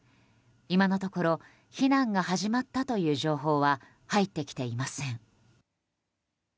今のところ避難が始まったという情報は入ってきていません。